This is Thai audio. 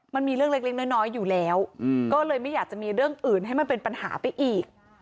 มันมีเรื่องเล็กน้อยอยู่แล้วก็เลยไม่อยากจะมีเรื่องอื่นให้มันเป็นปัญหาไปอีก